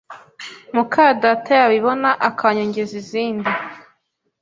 mukadata yabibona akanyongeza izindi